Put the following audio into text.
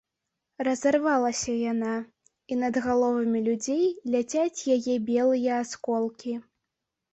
Разарвалася яна, і над галовамі людзей ляцяць яе белыя асколкі.